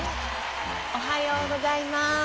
おはようございます。